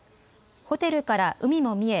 ホテルから海も見え